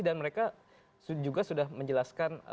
dan mereka juga sudah menjelaskan